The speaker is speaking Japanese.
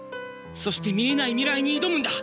そして見えない未来に挑むんだ！